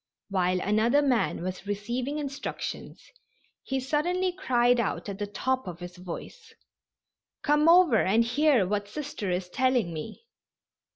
While another man was receiving instructions he suddenly cried out at the top of his voice: "Come over and hear what Sister is telling me."